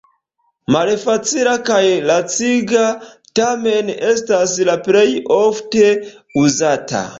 Malfacila kaj laciga, tamen estas la plej ofte uzata.